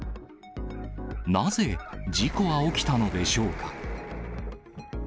なぜ事故は起きたのでしょうか。